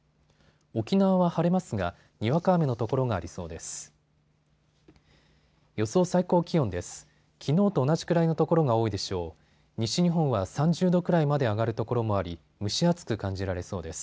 沖縄は晴れますがにわか雨の所がありそうです。